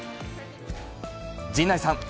陣内さん。